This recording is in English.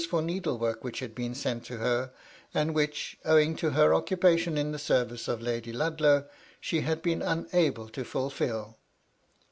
for needlework which had been sent to her, and which, owing to her occupation in the service of Lady Ludlow, she had been unable to fulfil.